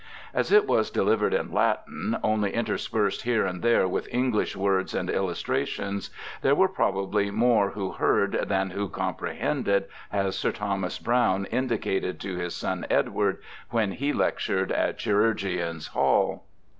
As it was delivered in Latin, only interspersed here and there with English words and illustrations, there were probably more who heard than who comprehended, as Sir Thomas Browne in dicated to his son Edward when he lectured at Chirurgeons' Hall.